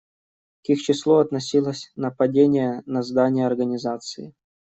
К их числу относилось нападение на здание Организации.